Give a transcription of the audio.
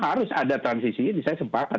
harus ada transisi ini saya sepakat